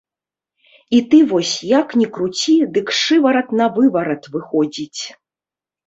І ты вось як ні круці, дык шыварат-навыварат выходзіць.